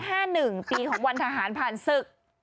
มีเลข๕๑ปีของวันทหารผ่านศึก